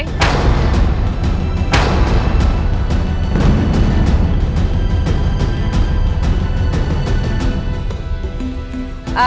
tante andis jangan